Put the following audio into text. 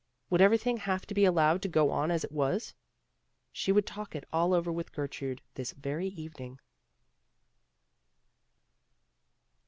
Would everything have to be allowed to go on as it was? She would talk it all over with Gertrude this very evening.